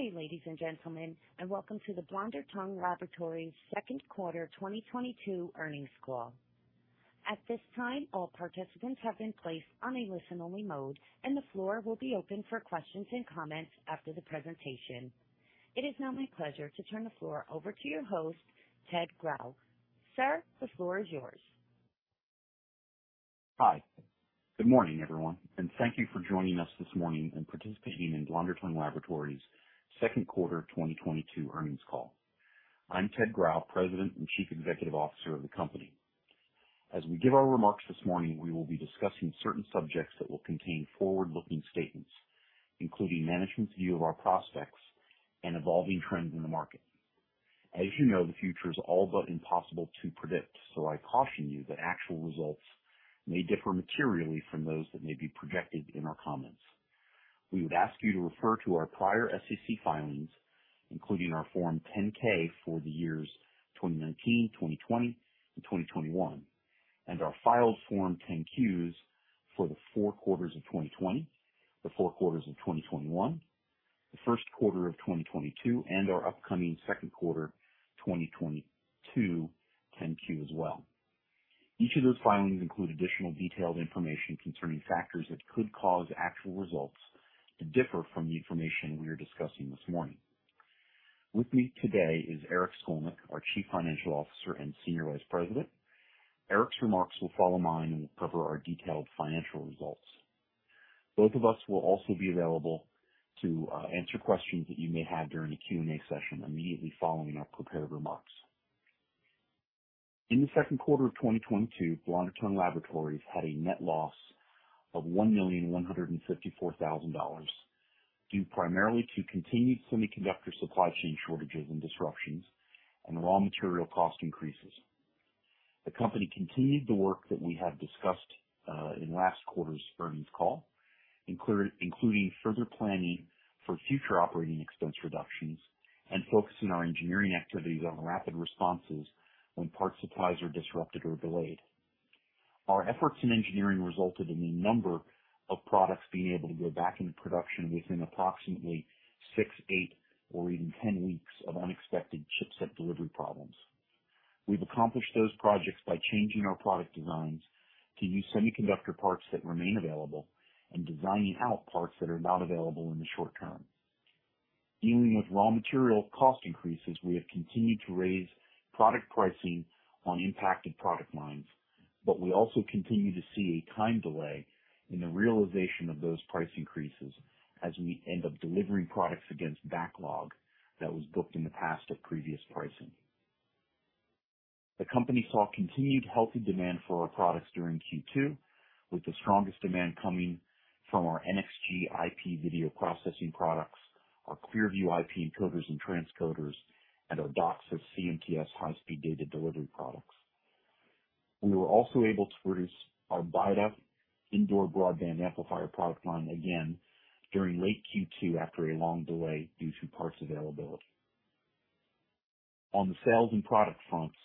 Good day, ladies and gentlemen, and welcome to the Blonder Tongue Laboratories Q2 2022 earnings call. At this time, all participants have been placed on a listen-only mode, and the floor will be open for questions and comments after the presentation. It is now my pleasure to turn the floor over to your host, Edward Grauch. Sir, the floor is yours. Hi. Good morning, everyone, and thank you for joining us this morning and participating in Blonder Tongue Laboratories Q2 2022 earnings call. I'm Edward Grauch, President and Chief Executive Officer of the company. As we give our remarks this morning, we will be discussing certain subjects that will contain forward-looking statements, including management's view of our prospects and evolving trends in the market. As you know, the future is all but impossible to predict, so I caution you that actual results may differ materially from those that may be projected in our comments. We would ask you to refer to our prior SEC filings, including our Form 10-K for the years 2019, 2020, and 2021, and our filed Form 10-Qs for the four quarters of 2020, the four quarters of 2021, the Q1 2022, and our upcoming Q2 2022 10-Q as well. Each of those filings include additional detailed information concerning factors that could cause actual results to differ from the information we are discussing this morning. With me today is Eric Skolnik, our Chief Financial Officer and Senior Vice President. Eric's remarks will follow mine and will cover our detailed financial results. Both of us will also be available to answer questions that you may have during the Q&A session immediately following our prepared remarks. In the Q2 2022, Blonder Tongue Laboratories had a net loss of $1.154 million, due primarily to continued semiconductor supply chain shortages and disruptions and raw material cost increases. The company continued the work that we had discussed in last quarter's earnings call, including further planning for future operating expense reductions and focusing our engineering activities on rapid responses when parts supplies are disrupted or delayed. Our efforts in engineering resulted in a number of products being able to go back into production within approximately 6, 8, or even 10 weeks of unexpected chipset delivery problems. We've accomplished those projects by changing our product designs to use semiconductor parts that remain available and designing out parts that are not available in the short-term. Dealing with raw material cost increases, we have continued to raise product pricing on impacted product lines, but we also continue to see a time delay in the realization of those price increases as we end up delivering products against backlog that was booked in the past at previous pricing. The company saw continued healthy demand for our products during Q2, with the strongest demand coming from our NXG IP video processing products, our Clearview IP encoders and transcoders, and our DOCSIS CMTS high-speed data delivery products. We were also able to produce our BIDA indoor broadband amplifier product line again during late Q2 after a long delay due to parts availability. On the sales and product fronts,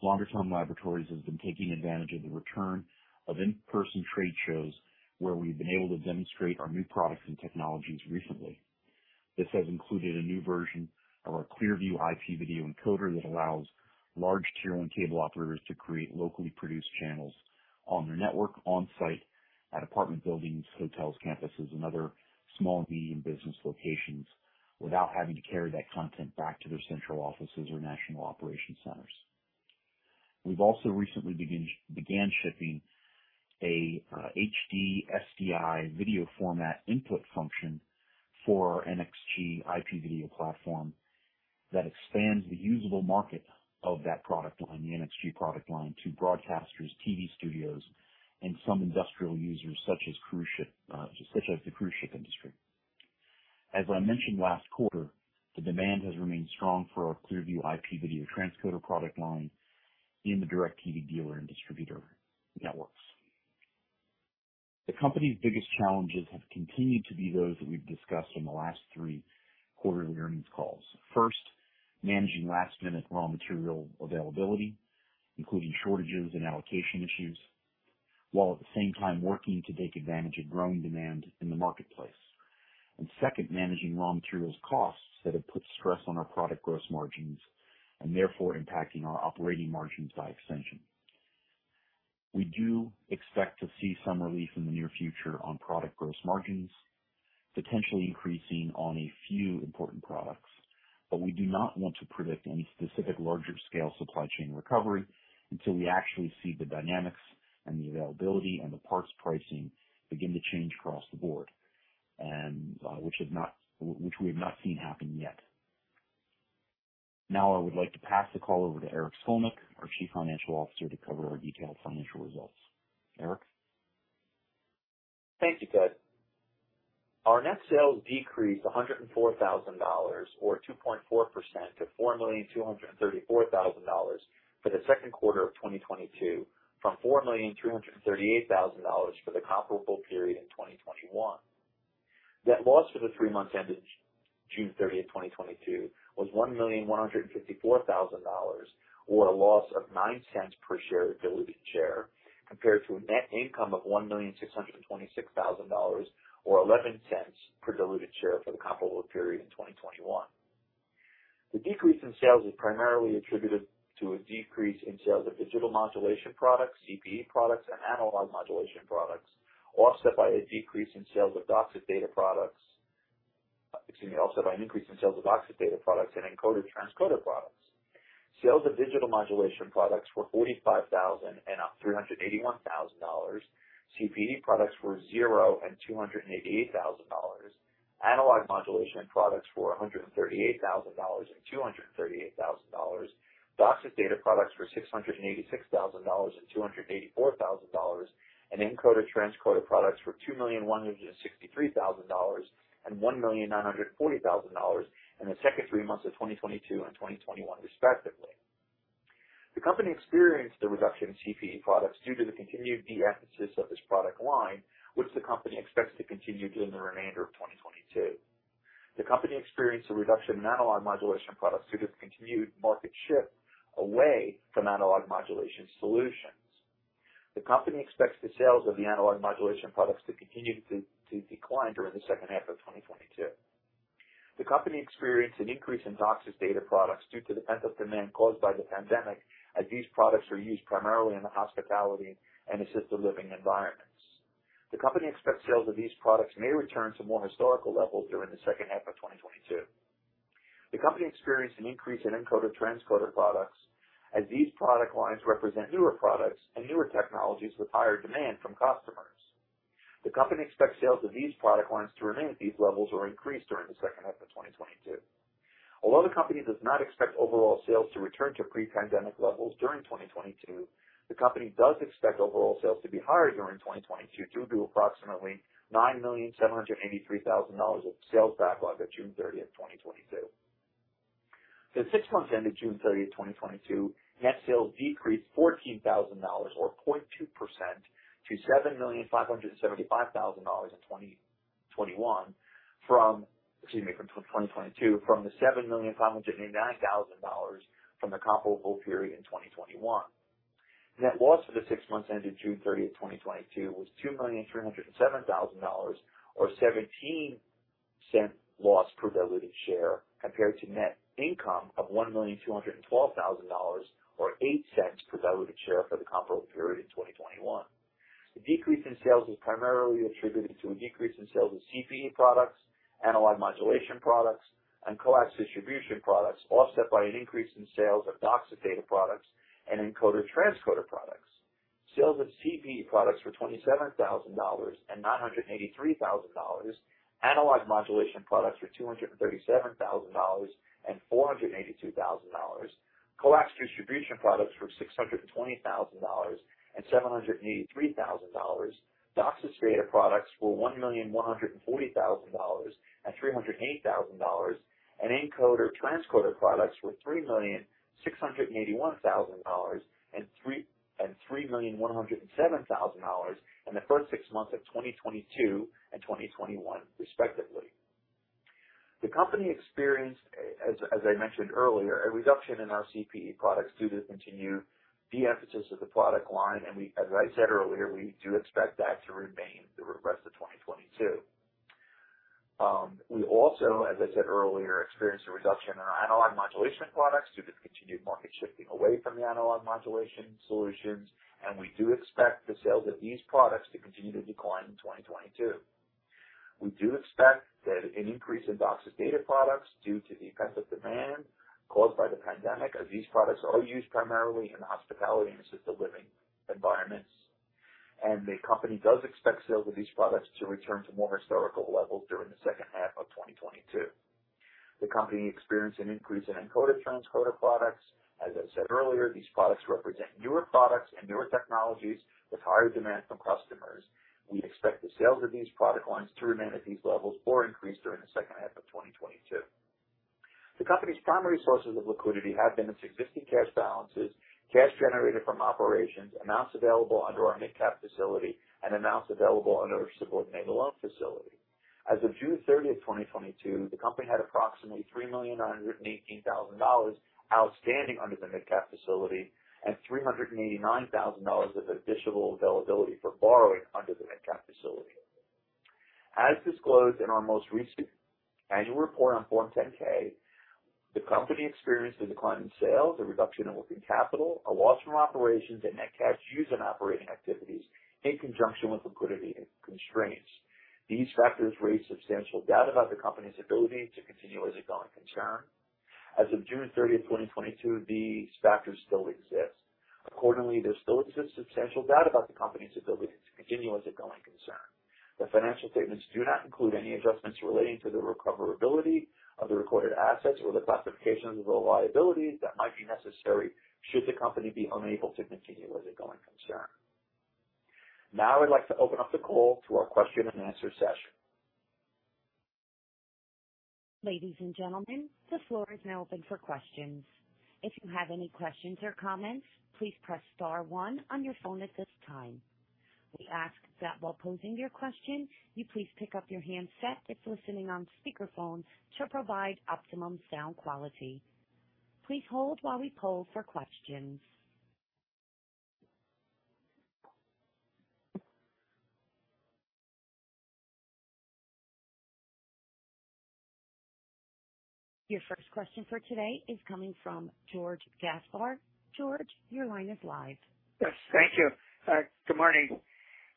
Blonder Tongue Laboratories has been taking advantage of the return of in-person trade shows, where we've been able to demonstrate our new products and technologies recently. This has included a new version of our Clearview IP video encoder that allows large tier one cable operators to create locally produced channels on their network on-site at apartment buildings, hotels, campuses, and other small and medium business locations without having to carry that content back to their central offices or national operation centers. We've also recently began shipping HD SDI video format input function for our NXG IP video platform that expands the usable market of that product line, the NXG product line, to broadcasters, TV studios, and some industrial users such as the cruise ship industry. As I mentioned last quarter, the demand has remained strong for our Clearview IP video transcoder product line in the DirecTV dealer and distributor networks. The company's biggest challenges have continued to be those that we've discussed in the last three quarterly earnings calls. First, managing last-minute raw material availability, including shortages and allocation issues, while at the same time working to take advantage of growing demand in the marketplace. Second, managing raw materials costs that have put stress on our product gross margins and therefore impacting our operating margins by extension. We do expect to see some relief in the near future on product gross margins, potentially increasing on a few important products. We do not want to predict any specific larger scale supply chain recovery until we actually see the dynamics and the availability and the parts pricing begin to change across the board, and which we have not seen happen yet. Now I would like to pass the call over to Eric Skolnik, our Chief Financial Officer, to cover our detailed financial results. Eric? Thank you, Ted. Our net sales decreased $104,000 or 2.4% to $4,234,000 for the Q2 2022, from $4,338,000 for the comparable period in 2021. Net loss for the three months ended June 30, 2022, was $1,154,000 or a loss of $0.09 per diluted share, compared to a net income of $1,626,000 or $0.11 per diluted share for the comparable period in 2021. The decrease in sales is primarily attributed to a decrease in sales of digital modulation products, CPE products, and analog modulation products, offset by a decrease in sales of DOCSIS data products. Excuse me. Offset by an increase in sales of DOCSIS data products and encoder/transcoder products. Sales of digital modulation products were $45,000 and $381,000. CPE products were $0 and $288,000. Analog modulation products were $138,000 and $238,000. DOCSIS data products were $686,000 and $284,000. Encoder/transcoder products were $2,163,000 and $1,940,000 in the second three months of 2022 and 2021 respectively. The company experienced a reduction in CPE products due to the continued de-emphasis of this product line, which the company expects to continue during the remainder of 2022. The company experienced a reduction in analog modulation products due to the continued market shift away from analog modulation solutions. The company expects the sales of the analog modulation products to continue to decline during the second half of 2022. The company experienced an increase in DOCSIS data products due to the pent-up demand caused by the pandemic, as these products are used primarily in the hospitality and assisted living environments. The company expects sales of these products may return to more historical levels during the second half of 2022. The company experienced an increase in encoder/transcoder products as these product lines represent newer products and newer technologies with higher demand from customers. The company expects sales of these product lines to remain at these levels or increase during the second half of 2022. Although the company does not expect overall sales to return to pre-pandemic levels during 2022, the company does expect overall sales to be higher during 2022 due to approximately $9,783,000 of sales backlog at June 30, 2022. The six months ended June 30, 2022, net sales decreased $14,000 or 0.2% to $7,575,000 in 2022 from the $7,599,000 from the comparable period in 2021. Net loss for the six months ended June 30, 2022 was $2,307,000, or $0.17 loss per diluted share, compared to net income of $1,212,000 or $0.08 per diluted share for the comparable period in 2021. The decrease in sales was primarily attributed to a decrease in sales of CPE products, analog modulation products, and coax distribution products, offset by an increase in sales of DOCSIS data products and encoder/transcoder products. Sales of CPE products were $27,000 and $983,000. Analog modulation products were $237,000 and $482,000. Coax distribution products were $620,000 and $783,000. DOCSIS data products were $1,140,000 and $308,000. Encoder/transcoder products were $3,681,003 and $3,107,000 in the first six months of 2022 and 2021 respectively. The company experienced, as I mentioned earlier, a reduction in our CPE products due to continued de-emphasis of the product line. We, as I said earlier, do expect that to remain through the rest of 2022. We also, as I said earlier, experienced a reduction in our analog modulation products due to the continued market shifting away from the analog modulation solutions, and we do expect the sales of these products to continue to decline in 2022. We do expect that an increase in DOCSIS data products due to the pent-up demand caused by the pandemic, as these products are all used primarily in the hospitality and assisted living environments. The company does expect sales of these products to return to more historical levels during the second half of 2022. The company experienced an increase in encoder/transcoder products. As I said earlier, these products represent newer products and newer technologies with higher demand from customers. We expect the sales of these product lines to remain at these levels or increase during the second half of 2022. The company's primary sources of liquidity have been its existing cash balances, cash generated from operations, amounts available under our MidCap facility, and amounts available under our subordinate loan facility. As of June 30, 2022, the company had approximately $3,918,000 outstanding under the MidCap facility and $389,000 of additional availability for borrowing under the MidCap facility. As disclosed in our most recent annual report on Form 10-K, the company experienced a decline in sales, a reduction in working capital, a loss from operations and net cash used in operating activities in conjunction with liquidity constraints. These factors raise substantial doubt about the company's ability to continue as a going concern. As of June 30, 2022, these factors still exist. Accordingly, there still exists substantial doubt about the company's ability to continue as a going concern. The financial statements do not include any adjustments relating to the recoverability of the recorded assets or the classification of the liabilities that might be necessary should the company be unable to continue as a going concern. Now I'd like to open up the call to our question-and-answer session. Ladies and gentlemen, the floor is now open for questions. If you have any questions or comments, please press star one on your phone at this time. We ask that while posing your question, you please pick up your handset if listening on speakerphone to provide optimum sound quality. Please hold while we poll for questions. Your first question for today is coming from George Gaspar. George, your line is live. Yes. Thank you. Good morning.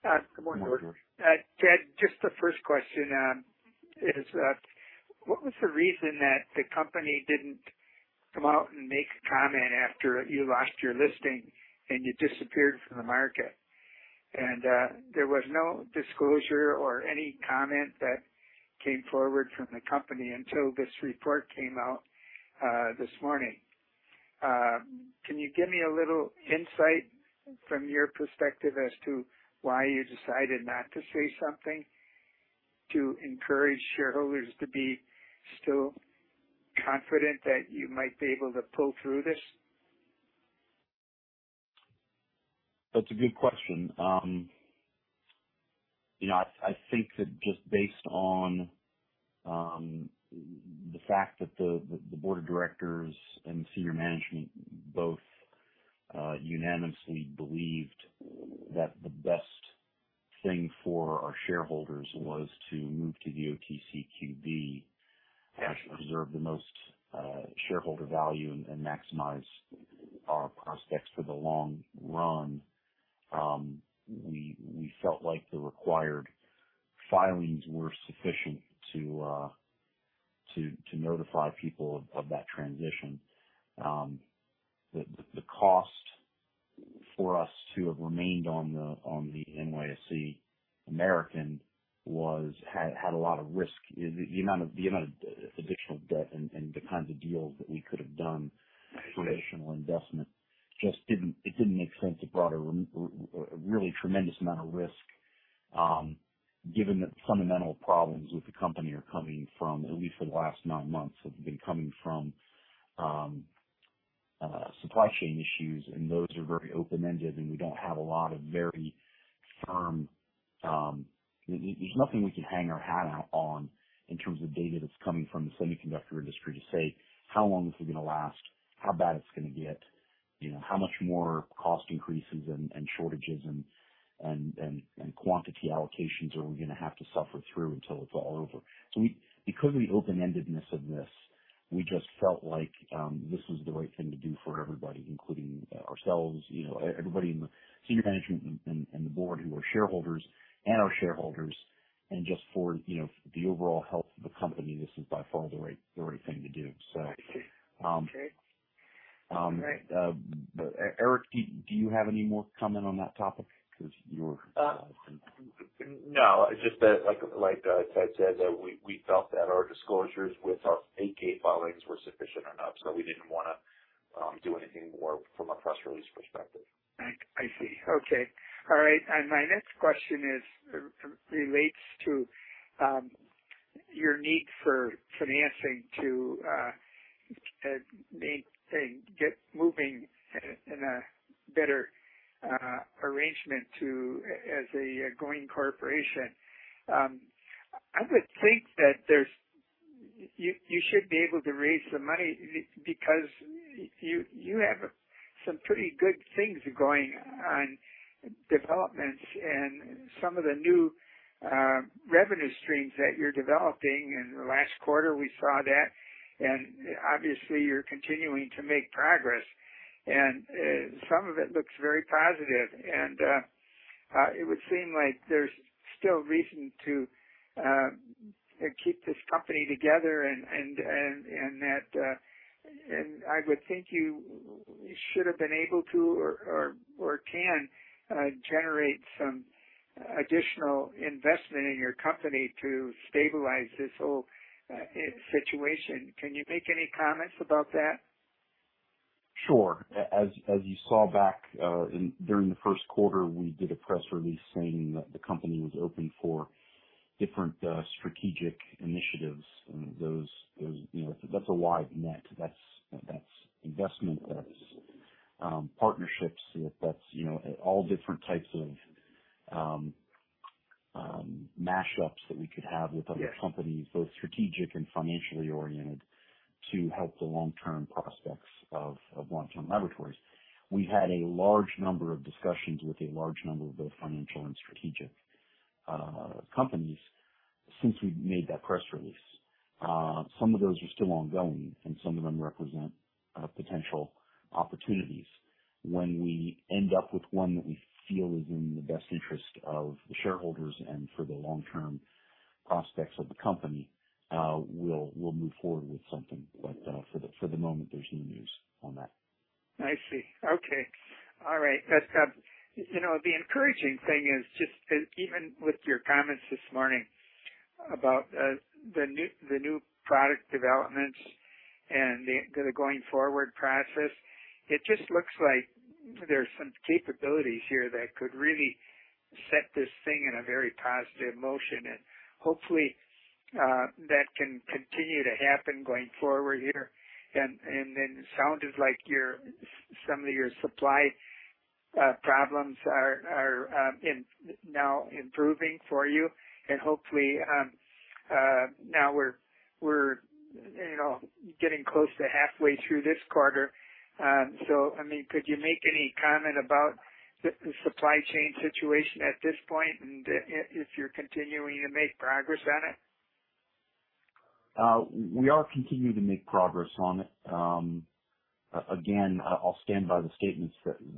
Good morning, George. Ted, just the first question, what was the reason that the company didn't come out and make a comment after you lost your listing and you disappeared from the market? There was no disclosure or any comment that came forward from the company until this report came out this morning. Can you give me a little insight from your perspective as to why you decided not to say something to encourage shareholders to be still confident that you might be able to pull through this? That's a good question. You know, I think that just based on the fact that the Board of Directors and senior management both unanimously believed that the best thing for our shareholders was to move to the OTCQB as it preserved the most shareholder value and maximize our prospects for the long-run. We felt like the required filings were sufficient to notify people of that transition. The cost for us to have remained on the NYSE American had a lot of risk. The amount of additional debt and the kinds of deals that we could have done for additional investment just didn't make sense. It brought a really tremendous amount of risk, given the fundamental problems with the company are coming from, at least for the last nine months, have been coming from, supply chain issues, and those are very open-ended, and we don't have a lot of very firm. There's nothing we can hang our hat on in terms of data that's coming from the semiconductor industry to say how long this is gonna last, how bad it's gonna get, you know, how much more cost increases and quantity allocations are we gonna have to suffer through until it's all over. We, because of the open-endedness of this, we just felt like, this was the right thing to do for everybody, including, ourselves, you know, everybody in the senior management and the board who are shareholders and our shareholders and just for, you know, the overall health of the company, this is by far the right thing to do. I see. Okay. All right. Eric, do you have any more comment on that topic? No. It's just that like, Ted said, that we felt that our disclosures with our 8-K filings were sufficient enough, so we didn't wanna do anything more from a press release perspective. I see. Okay. All right. My next question relates to your need for financing to get moving in a better arrangement as a growing corporation. I would think that you should be able to raise some money because you have some pretty good things going on, developments and some of the new revenue streams that you're developing. In the last quarter, we saw that, and obviously you're continuing to make progress and some of it looks very positive. It would seem like there's still reason to keep this company together and that and I would think you should have been able to or can generate some additional investment in your company to stabilize this whole situation. Can you make any comments about that? Sure. As you saw back in, during the Q1, we did a press release saying that the company was open for different strategic initiatives. Those, you know, that's a wide net. That's investment, that's partnerships. That, you know, all different types of mashups that we could have with other companies, both strategic and financially oriented, to help the long-term prospects of Blonder Tongue Laboratories. We had a large number of discussions with a large number of both financial and strategic companies since we made that press release. Some of those are still ongoing, and some of them represent potential opportunities. When we end up with one that we feel is in the best interest of the shareholders and for the long-term prospects of the company, we'll move forward with something. For the moment, there's no news on that. I see. Okay. All right. That's you know the encouraging thing is just even with your comments this morning about the new product developments and the going forward process. It just looks like there's some capabilities here that could really set this thing in a very positive motion. Hopefully that can continue to happen going forward here. It sounded like some of your supply problems are now improving for you. Hopefully now we're you know getting close to halfway through this quarter. I mean could you make any comment about the supply chain situation at this point and if you're continuing to make progress on it? We are continuing to make progress on it. Again, I'll stand by the statements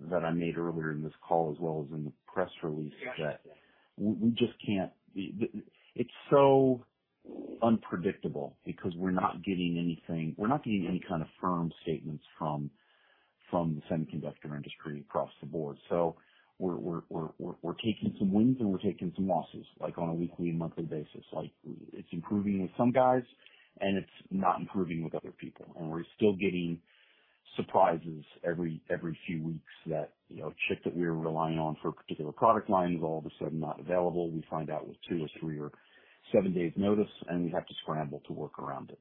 that I made earlier in this call as well as in the press release, that we just can't. It's so unpredictable because we're not getting any kind of firm statements from the semiconductor industry across the board. We're taking some wins, and we're taking some losses, like, on a weekly and monthly basis. Like, it's improving with some guys, and it's not improving with other people. We're still getting surprises every few weeks that, you know, a chip that we're relying on for particular product lines all of a sudden not available. We find out with two or three or seven days notice, and we have to scramble to work around it.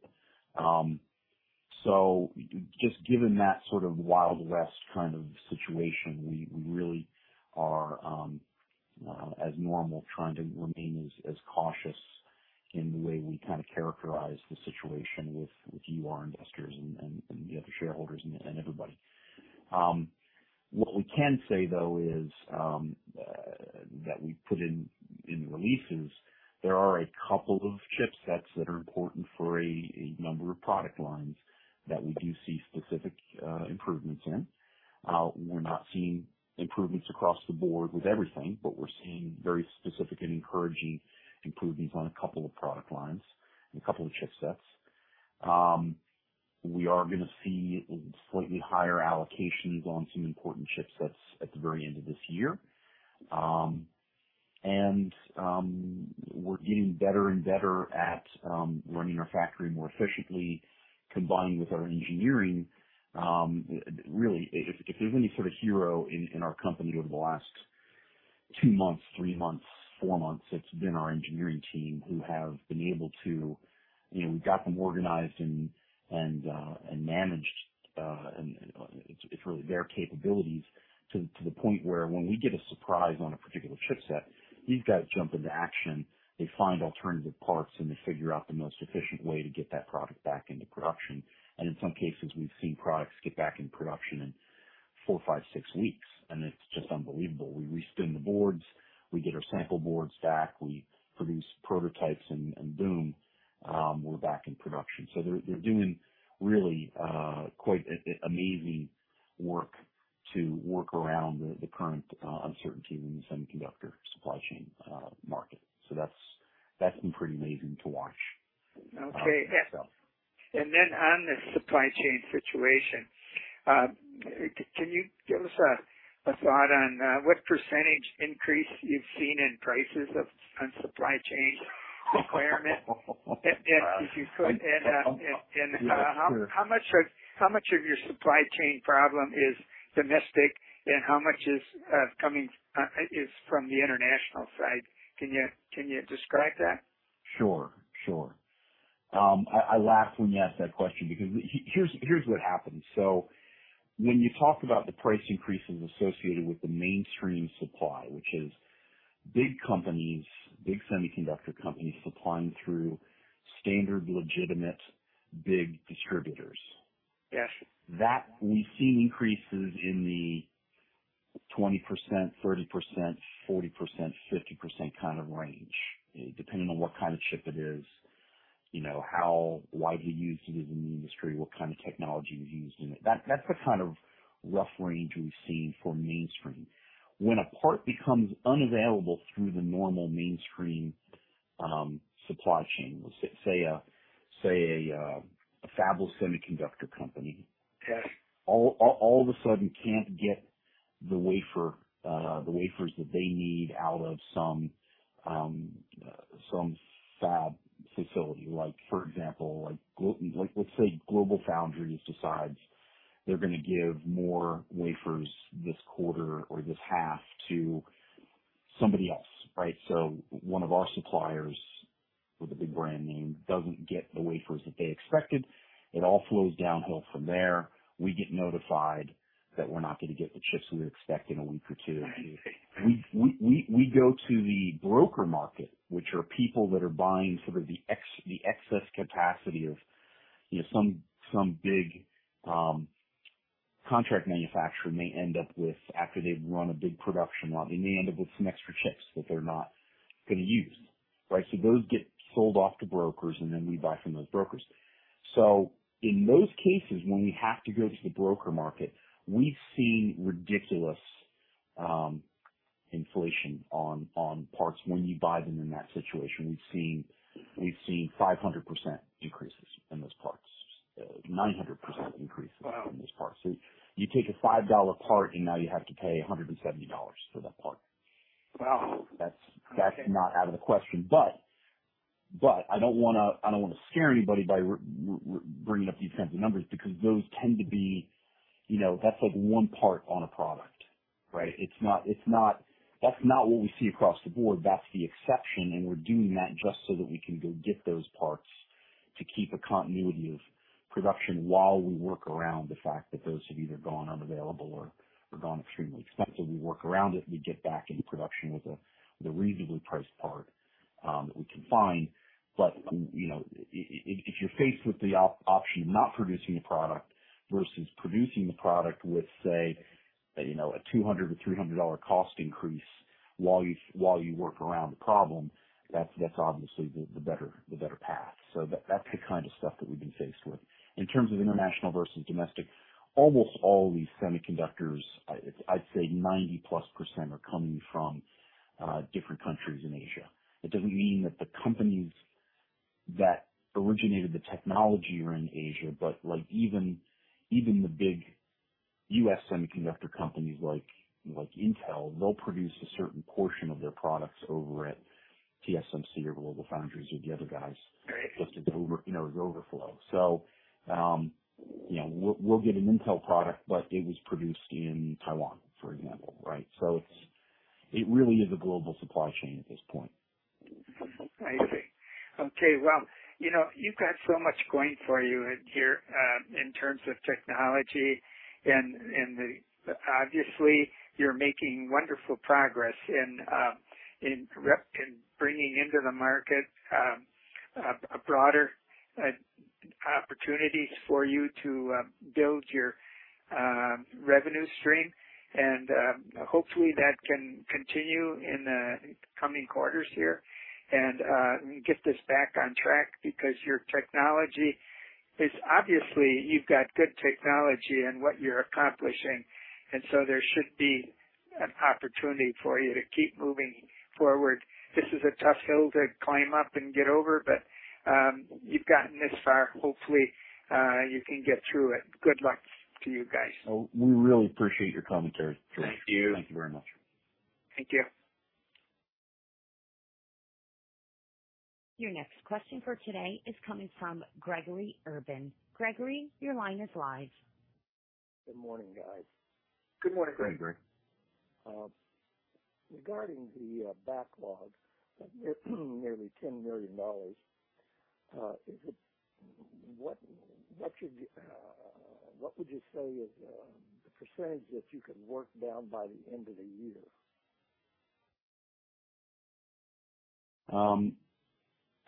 Just given that sort of Wild West kind of situation, we really are, as normal, trying to remain as cautious in the way we kind of characterize the situation with you, our investors, and the other shareholders and everybody. What we can say, though, is that we put in the releases, there are a couple of chipsets that are important for a number of product lines that we do see specific improvements in. We're not seeing improvements across the board with everything, but we're seeing very specific and encouraging improvements on a couple of product lines and a couple of chipsets. We are gonna see slightly higher allocations on some important chipsets at the very end of this year. We're getting better and better at running our factory more efficiently, combined with our engineering. Really, if there's any sort of hero in our company over the last 2 months, 3 months, 4 months, it's been our engineering team who have been able to. You know, we've got them organized and managed. It's really their capabilities to the point where when we get a surprise on a particular chipset, these guys jump into action. They find alternative parts, and they figure out the most efficient way to get that product back into production. In some cases, we've seen products get back in production in 4, 5, 6 weeks, and it's just unbelievable. We respin the boards, we get our sample boards back, we produce prototypes, and boom, we're back in production. They're doing really quite amazing work to work around the current uncertainty in the semiconductor supply chain market. That's been pretty amazing to watch. Okay. On the supply chain situation, can you give us a thought on what percentage increase you've seen in prices on supply chain requirement? If you could. How much of your supply chain problem is domestic and how much is coming from the international side? Can you describe that? Sure. I laughed when you asked that question because here's what happens. When you talk about the price increases associated with the mainstream supply, which is big companies, big semiconductor companies supplying through standard, legitimate, big distributors. Yes. That we've seen increases in the 20%, 30%, 40%, 50% kind of range depending on what kind of chip it is, you know, how widely used it is in the industry, what kind of technology is used in it. That's the kind of rough range we've seen for mainstream. When a part becomes unavailable through the normal mainstream supply chain. Let's say a fabless semiconductor company- Yes. All of a sudden can't get the wafer, the wafers that they need out of some fab facility, like, for example, like, let's say GlobalFoundries decides they're gonna give more wafers this quarter or this half to somebody else, right? So one of our suppliers with a big brand name doesn't get the wafers that they expected. It all flows downhill from there. We get notified that we're not gonna get the chips we expect in a week or two. Right. We go to the broker market, which are people that are buying sort of the excess capacity of, you know, some big contract manufacturer may end up with after they've run a big production lot, they may end up with some extra chips that they're not gonna use, right? Those get sold off to brokers, and then we buy from those brokers. In those cases, when we have to go to the broker market, we've seen ridiculous inflation on parts when you buy them in that situation. We've seen 500% increases in those parts. 900% increases. Wow. In those parts. You take a $5 part, and now you have to pay $170 for that part. Wow. That's not out of the question. I don't wanna scare anybody by bringing up these kinds of numbers because those tend to be, you know, that's like one part on a product, right? That's not what we see across the board. That's the exception. We're doing that just so that we can go get those parts to keep a continuity of production while we work around the fact that those have either gone unavailable or gone extremely expensive. We work around it. We get back into production with a reasonably priced part that we can find. You know, if you're faced with the option of not producing a product versus producing the product with, say, you know, a $200-$300 cost increase while you work around the problem, that's obviously the better path. That's the kind of stuff that we've been faced with. In terms of international versus domestic, almost all these semiconductors, I'd say 90%+ are coming from different countries in Asia. It doesn't mean that the companies that originated the technology are in Asia, but like even the big U.S. semiconductor companies like Intel, they'll produce a certain portion of their products over at TSMC or GlobalFoundries or the other guys just as over, you know, as overflow. We'll get an Intel product, but it was produced in Taiwan, for example, right? It really is a global supply chain at this point. I see. Okay. Well, you know, you've got so much going for you here, in terms of technology. Obviously, you're making wonderful progress in bringing into the market a broader opportunities for you to build your revenue stream. Hopefully that can continue in the coming quarters here and get this back on track because your technology is obviously, you've got good technology in what you're accomplishing, and so there should be an opportunity for you to keep moving forward. This is a tough hill to climb up and get over. You've gotten this far. Hopefully you can get through it. Good luck to you guys. Well, we really appreciate your commentary today. Thank you. Thank you very much. Thank you. Your next question for today is coming from Gregory Urban. Gregory, your line is live. Good morning, guys. Good morning, Gregory. Hey, Gregory. Regarding the backlog of nearly $10 million, what would you say is the percentage that you can work down by the end of the year?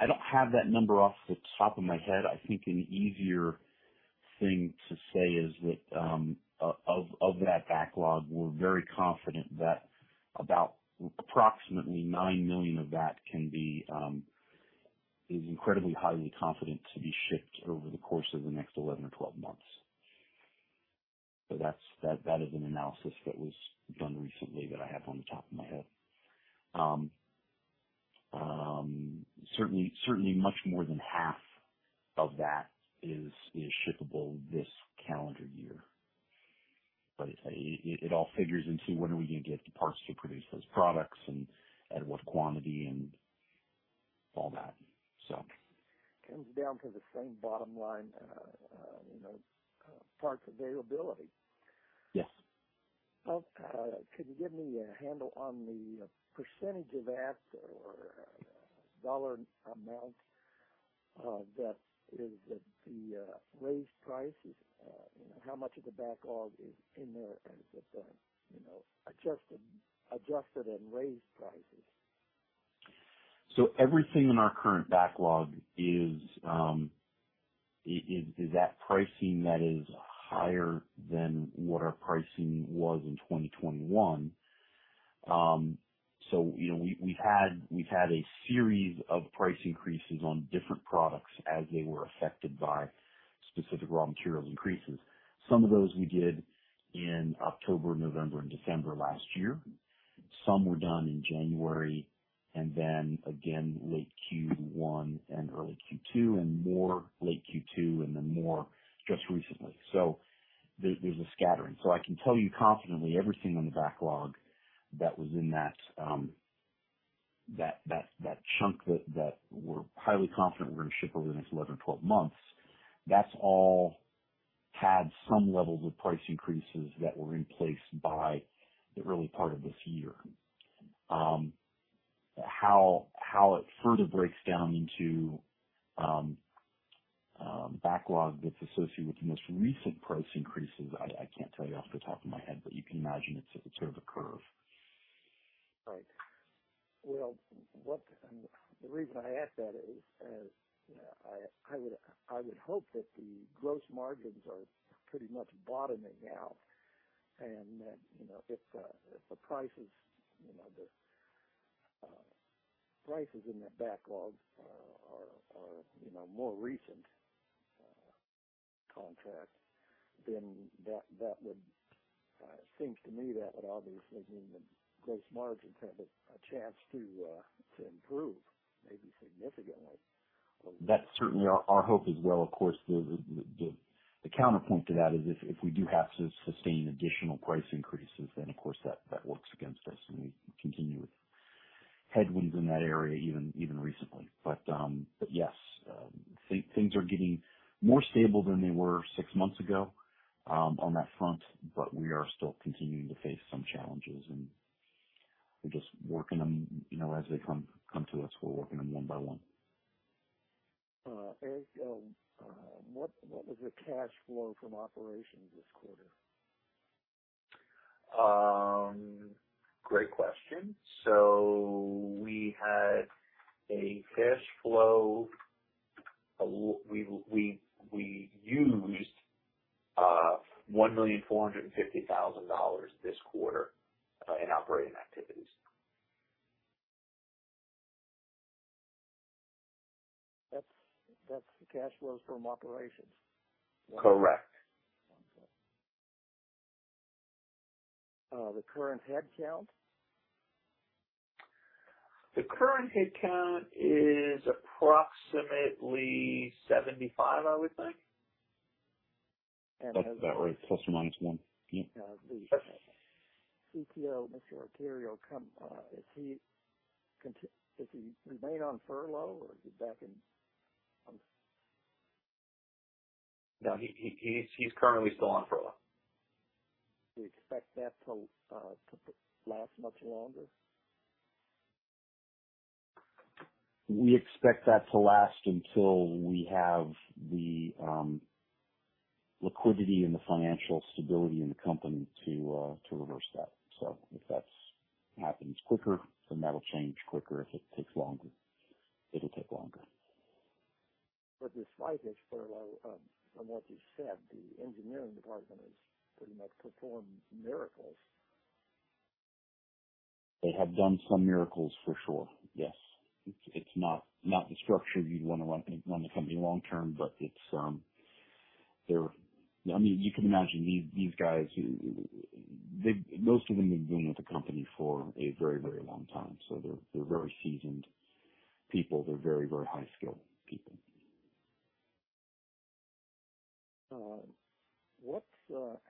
I don't have that number off the top of my head. I think an easier thing to say is that, of that backlog, we're very confident that about approximately $9 million of that can be, is incredibly highly-confident to be shipped over the course of the next 11 or 12 months. That's, that is an analysis that was done recently that I have on the top of my head. Certainly much more than half of that is shippable this calendar-year. It all figures into when are we going to get the parts to produce those products and at what quantity and all that. Comes down to the same bottom-line, you know, parts availability. Yes. Can you give me a handle on the percentage of that or dollar amount, that is at the raised prices? You know, how much of the backlog is in there as it's, you know, adjusted and raised prices? Everything in our current backlog is at pricing that is higher than what our pricing was in 2021. You know, we've had a series of price increases on different products as they were affected by specific raw material increases. Some of those we did in October, November and December last-year. Some were done in January and then again late Q1 and early Q2 and more late Q2 and then more just recently. There's a scattering. I can tell you confidently, everything on the backlog that was in that chunk that we're highly-confident we're going to ship over the next 11, 12 months, that's all had some levels of price increases that were in place by the early part of this year. How it further breaks down into backlog that's associated with the most recent price increases, I can't tell you off the top of my head, but you can imagine it's sort of a curve. Right. Well, the reason I ask that is, you know, I would hope that the gross margins are pretty much bottoming out and that, you know, if the prices, you know, the prices in the backlog are more recent contract, then that would, it seems to me that would obviously mean the gross margins have a chance to improve maybe significantly. That's certainly our hope as well. Of course, the counterpoint to that is if we do have to sustain additional price increases, then of course that works against us, and we continue with headwinds in that area even recently. Yes, things are getting more stable than they were six months ago, on that front, but we are still continuing to face some challenges and we're just working them, you know, as they come to us. We're working them one by one. Eric, what was the cash flow from operations this quarter? Great question. We had a cash flow. We used $1.45 million this quarter in operating activities. That's the cash flows from operations? Correct. The current head count? The current head count is approximately 75, I would think. About right. Plus or minus one. The CTO, Mr. Alterio, does he remain on furlough or is he back in? No, he's currently still on furlough. Do you expect that to last much longer? We expect that to last until we have the liquidity and the financial stability in the company to reverse that. If that happens quicker, then that'll change quicker. If it takes longer, it'll take longer. Despite this furlough, from what you said, the engineering department has pretty much performed miracles. They have done some miracles for sure. Yes. It's not the structure you'd wanna run the company long-term, but they're. I mean, you can imagine these guys. Most of them have been with the company for a very long time. So they're very seasoned people. They're very highly-skilled people.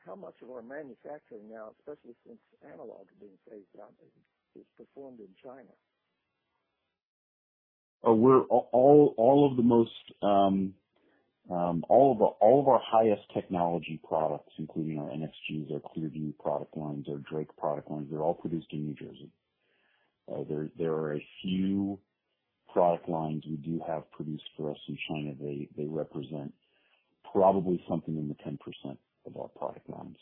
How much of our manufacturing now, especially since analog is being phased out, is performed in China? All of our highest technology products, including our NXGs, our Clearview product lines, our Drake product lines, they're all produced in New Jersey. There are a few product lines we do have produced for us in China. They represent probably something in the 10% of our product lines.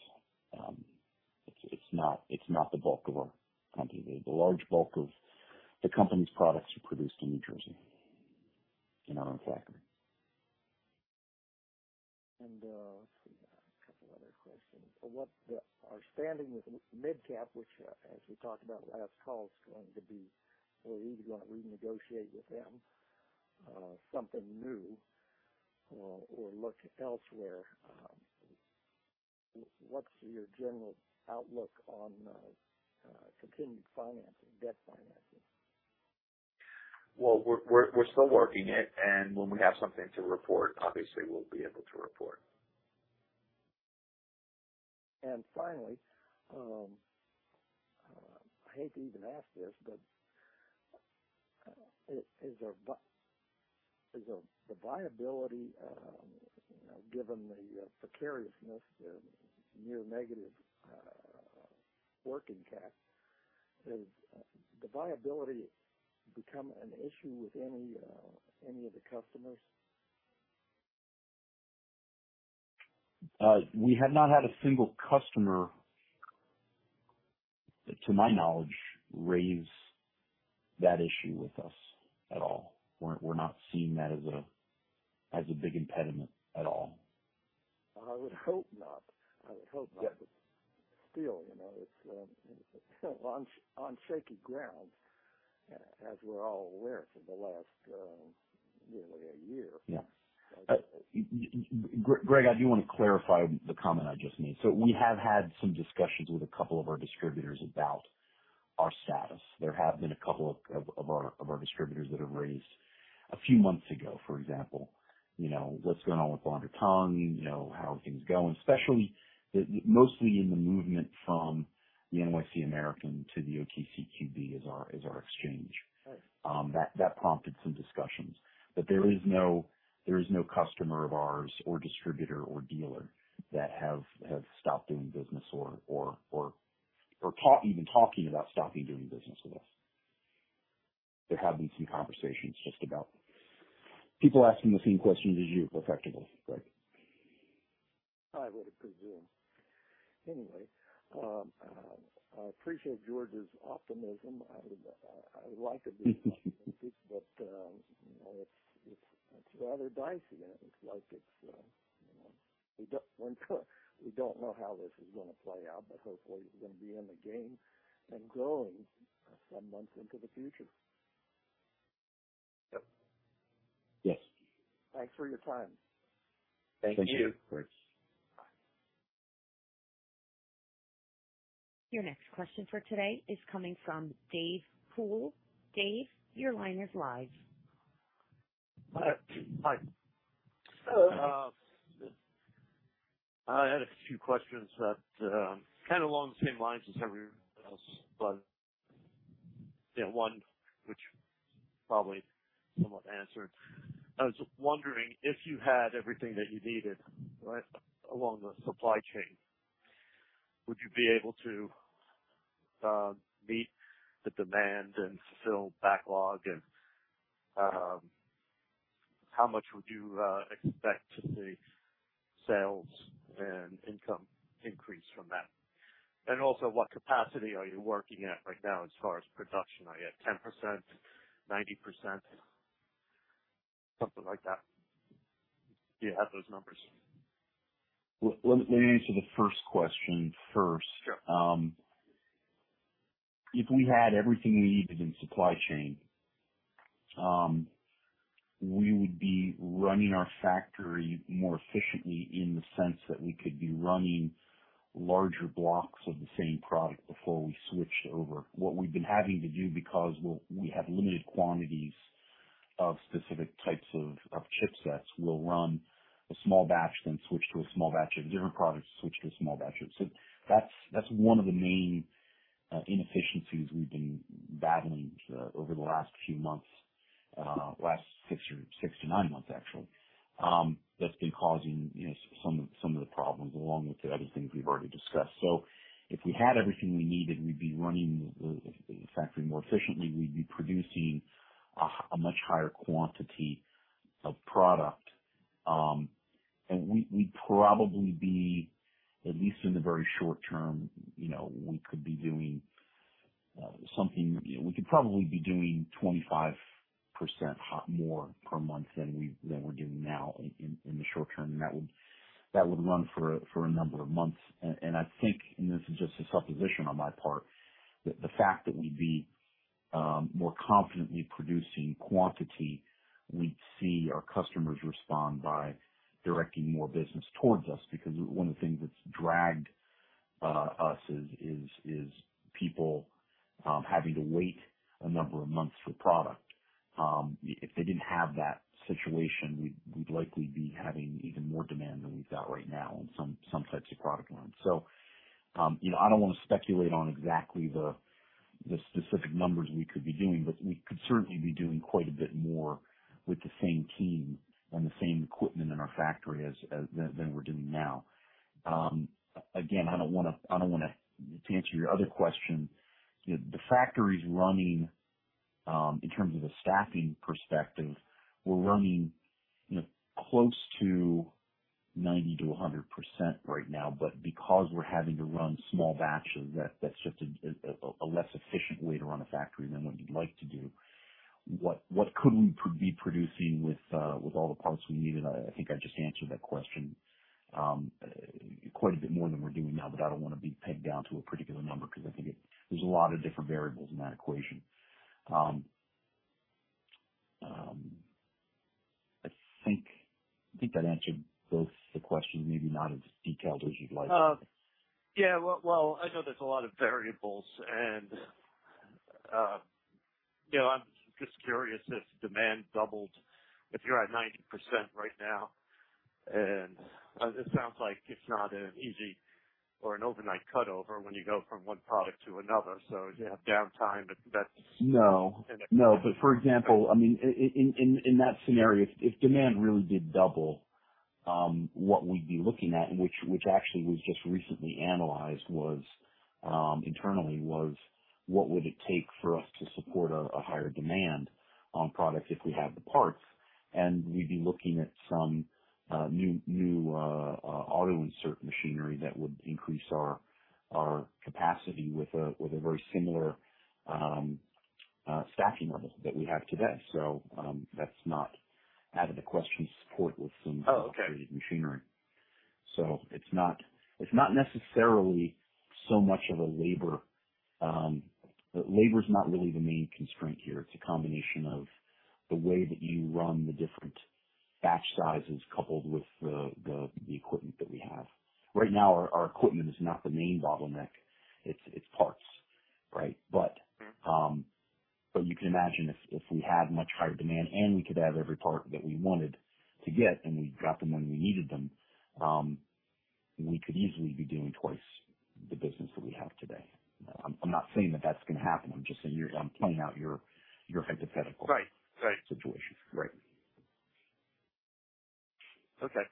It's not the bulk of our company. The large bulk of the company's products are produced in New Jersey in our own factory. Let's see. A couple other questions. Our standing with MidCap, which, as we talked about last call, is going to be, we're either going to renegotiate with them, something new, or look elsewhere. What's your general outlook on continued financing, debt financing? Well, we're still working it, and when we have something to report, obviously we'll be able to report. Finally, I hate to even ask this, but is there the viability, given the precariousness, the near negative working cap, has the viability become an issue with any of the customers? We have not had a single customer, to my knowledge, raise that issue with us at all. We're not seeing that as a big impediment at all. I would hope not. I would hope not. Yeah. Still, you know, it's on shaky grounds, as we're all aware for the last nearly a year. Yeah. Gregory, I do want to clarify the comment I just made. We have had some discussions with a couple of our distributors about our status. There have been a couple of our distributors that have raised a few months ago, for example, you know, what's going on with Blonder Tongue? You know, how are things going? Especially, mostly in the movement from the NYSE American to the OTCQB as our exchange. Right. That prompted some discussions. There is no customer of ours or distributor or dealer that have stopped doing business or even talking about stopping doing business with us. There have been some conversations just about people asking the same questions as you, effectively, Greg. I would presume. Anyway, I appreciate George's optimism. I would like to be optimistic. You know, it's rather dicey. I think, like it's, you know, we don't know how this is gonna play out, but hopefully we're gonna be in the game and growing some months into the future. Yep. Yes. Thanks for your time. Thank you. Thank you. Of course. Bye. Your next question for today is coming from Dave Poole. Dave, your line is live. Hi. I had a few questions that kind of along the same lines as everyone else, but one which probably somewhat answered. I was wondering if you had everything that you needed, right, along the supply chain, would you be able to meet the demand and fill backlog and how much would you expect to see sales and income increase from that? Also, what capacity are you working at right now as far as production? Are you at 10%, 90%, something like that? Do you have those numbers? Let me answer the first question first. Sure. If we had everything we needed in supply chain, we would be running our factory more efficiently in the sense that we could be running larger blocks of the same product before we switched over. What we've been having to do, because we have limited quantities of specific types of chipsets, we'll run a small batch, then switch to a small batch of different products, switch to a small batch. That's one of the main inefficiencies we've been battling over the last 6-9 months actually, that's been causing, you know, some of the problems along with the other things we've already discussed. If we had everything we needed, we'd be running the factory more efficiently. We'd be producing a much higher quantity of product. We'd probably be, at least in the very short-term, you know, we could probably be doing 25% more per month than we're doing now in the short-term. That would run for a number of months. I think, and this is just a supposition on my part, that the fact that we'd be more confidently producing quantity, we'd see our customers respond by directing more business towards us. Because one of the things that's dragged us is people having to wait a number of months for product. If they didn't have that situation, we'd likely be having even more demand than we've got right now on some types of product lines. You know, I don't want to speculate on exactly the specific numbers we could be doing, but we could certainly be doing quite a bit more with the same team and the same equipment in our factory than we're doing now. Again, I don't wanna. To answer your other question, you know, the factory's running in terms of a staffing perspective, we're running, you know, close to 90%-100% right now, but because we're having to run small batches, that's just a less efficient way to run a factory than what you'd like to do. What could we be producing with all the parts we needed? I think I just answered that question. Quite a bit more than we're doing now, but I don't wanna be pinned down to a particular number because there's a lot of different variables in that equation. I think that answered both the questions, maybe not as detailed as you'd like. Yeah. Well, I know there's a lot of variables and, you know, I'm just curious if demand doubled, if you're at 90% right now, and this sounds like it's not an easy or an overnight cutover when you go from one product to another, so if you have downtime, that's- No. But for example, I mean, in that scenario, if demand really did double, what we'd be looking at, which actually we've just recently analyzed internally, was what it would take for us to support a higher demand on products if we have the parts. We'd be looking at some new auto insert machinery that would increase our capacity with a very similar staffing levels that we have today. That's not out of the question to support with some- Oh, okay. Machinery. It's not necessarily so much of a labor. Labor's not really the main constraint here. It's a combination of the way that you run the different batch sizes coupled with the equipment that we have. Right now, our equipment is not the main bottleneck. It's parts, right? But Mm-hmm. you can imagine if we had much higher demand and we could have every part that we wanted to get and we got them when we needed them, we could easily be doing twice the business that we have today. I'm not saying that that's gonna happen. I'm just saying I'm playing out your hypothetical. Right. Right. Right. Okay.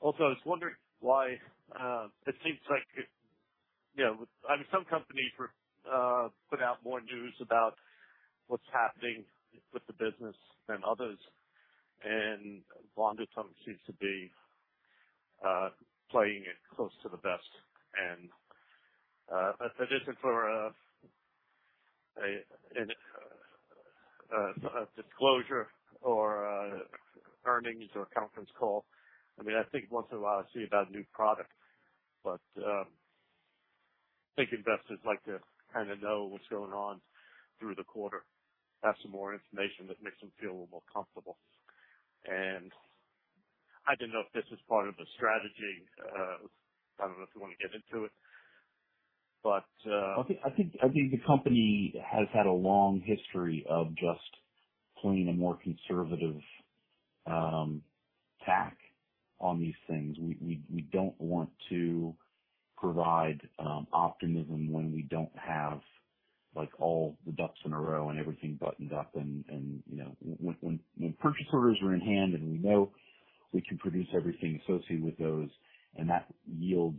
Also, I was wondering why it seems like it. You know, I mean, some companies were put out more news about what's happening with the business than others, and Blonder Tongue seems to be playing it close to the vest. If it isn't for a disclosure or earnings or a Conference Call, I mean, I think once in a while I see about a new product, but I think investors like to kind of know what's going on through the quarter, have some more information that makes them feel a little more comfortable. I didn't know if this is part of a strategy. I don't know if you want to get into it, but I think the company has had a long history of just clean and more conservative tack on these things. We don't want to provide optimism when we don't have, like, all the ducks in a row and everything buttoned up, you know. When purchase orders are in hand and we know we can produce everything associated with those, and that yields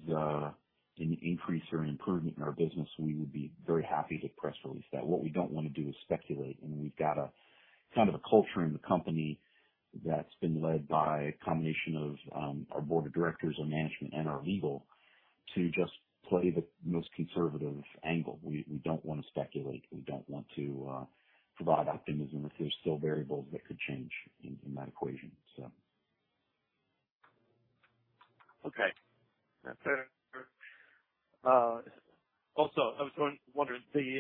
an increase or an improvement in our business, we would be very happy to press release that. What we don't wanna do is speculate. We've got a kind of a culture in the company that's been led by a combination of our board of directors, our management, and our legal to just play the most conservative angle. We don't wanna speculate. We don't want to provide optimism if there's still variables that could change in that equation. Okay. That's fair. Also, I was wondering the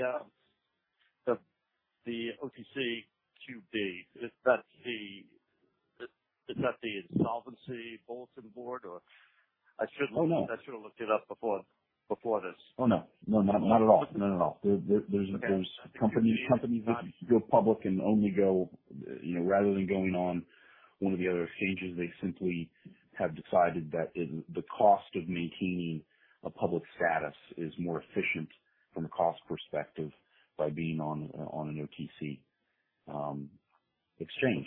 OTCQB, is that the OTC Bulletin Board or? I should- Oh, no. I should have looked it up before this. Oh, no. Not at all. Okay. There's companies that go public and only go, you know, rather than going on one of the other exchanges. They simply have decided that the cost of maintaining a public status is more efficient from a cost perspective by being on an OTC exchange.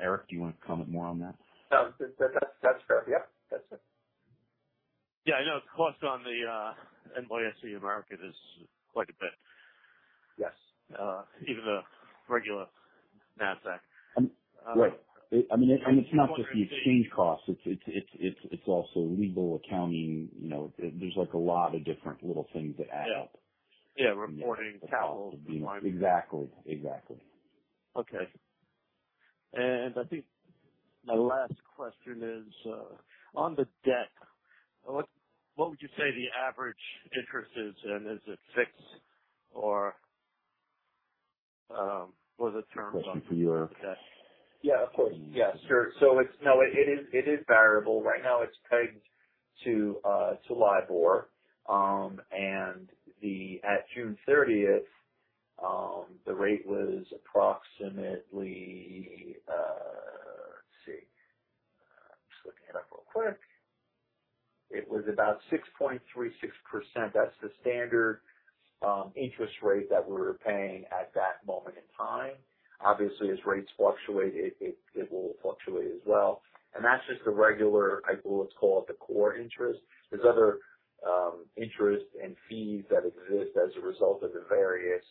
Eric, do you wanna comment more on that? No, that's fair. Yeah. That's it. Yeah, I know the cost on the NYSE American is quite a bit. Yes. Even the regular Nasdaq. I mean, it's not just the exchange costs. It's also legal, accounting, you know. There's like a lot of different little things that add up. Yeah, reporting. Exactly. Okay. I think my last question is on the debt, what would you say the average interest is, and is it fixed or was it term- Question for you, Eric? Okay. Yeah, of course. Yeah, sure. No, it is variable. Right now it's pegged to LIBOR. At June thirtieth, the rate was approximately, let's see. I'm just looking it up real quick. It was about 6.36%. That's the standard interest rate that we were paying at that moment in time. Obviously, as rates fluctuate, it will fluctuate as well. That's just the regular, I will call it the core interest. There's other interest and fees that exist as a result of the various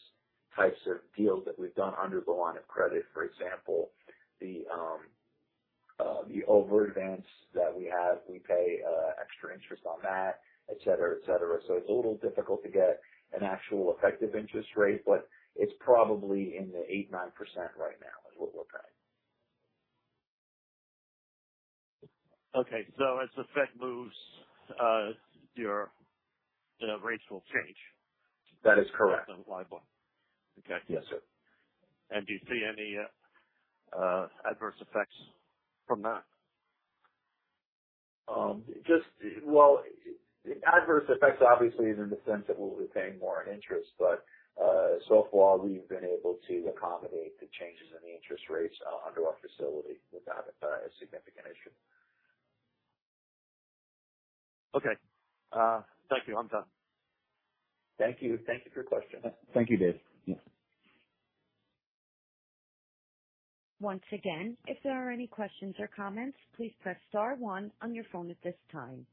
types of deals that we've done under the line of credit. For example, the overadvance that we have, we pay extra interest on that, et cetera, et cetera.It's a little difficult to get an actual effective interest rate, but it's probably in the 8%-9% right now is what we're paying. As the Fed moves, your rates will change. That is correct. The LIBOR. Okay. Yes, sir. Do you see any adverse effects from that? Well, adverse effects obviously is in the sense that we'll be paying more in interest, but so far we've been able to accommodate the changes in the interest rates under our facility without it a significant issue. Okay. Thank you. I'm done. Thank you. Thank you for your question. Thank you, Dave. Yeah. Once again, if there are any questions or comments, please press star one on your phone at this time.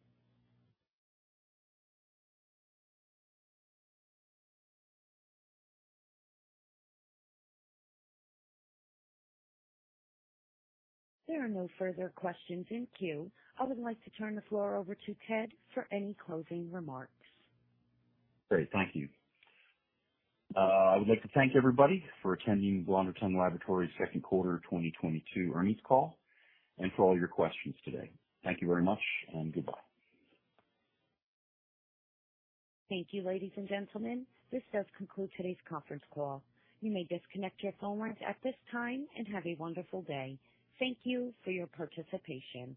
There are no further questions in queue. I would like to turn the floor over to Ted for any closing remarks. Great. Thank you. I would like to thank everybody for attending Blonder Tongue Laboratories' Q2 2022 earnings call and for all your questions today. Thank you very much and goodbye. Thank you, ladies and gentlemen. This does conclude today's Conference Call. You may disconnect your phone lines at this time and have a wonderful day. Thank you for your participation.